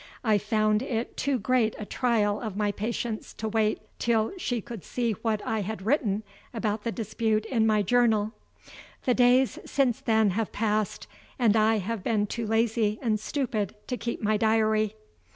I found it too great a trial of my patience to wait till she could see what I had written about the dispute in my journal. The days, since then, have passed, and I have been too lazy and stupid to keep my diary.